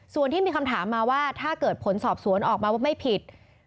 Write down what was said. ส่วนที่มีคำถามมาว่าถ้าเกิดผลสอบสวนออกมาว่าไม่ผิด